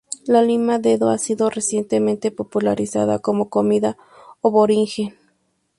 La lima dedo ha sido recientemente popularizada como comida aborigen.